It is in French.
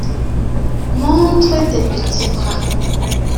Montre tes petits bras…